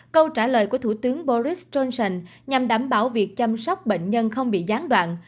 câu trả lời của thủ tướng boris johnson nhằm đảm bảo việc chăm sóc bệnh nhân không bị gián đoạn